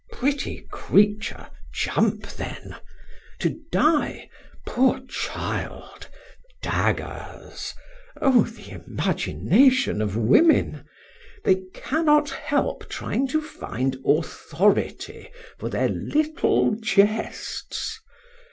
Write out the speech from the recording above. Pretty creature, jump then! To die? Poor child! Daggers? Oh, imagination of women! They cannot help trying to find authority for their little jests.